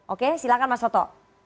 oke silahkan mas toto